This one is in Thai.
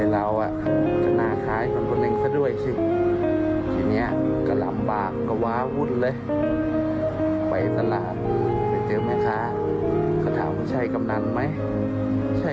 เราอ่ะก็น่าคล้ายกับคนหนึ่งซะด้วยสิทีนี้กล่ำบากกวาวุ่นเลยไปสลานไปเจอแม่ค่ะ